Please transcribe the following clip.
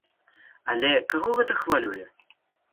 Але каго гэта хвалюе?